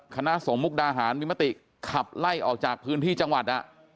คณะส่งมุกดาหารมีมติขับไล่ออกจากพื้นที่จังหวัด